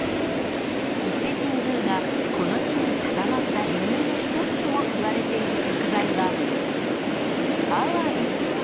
［伊勢神宮がこの地に定まった理由の一つともいわれている食材はアワビ］